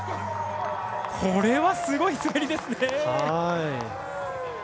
これはすごい滑りですね。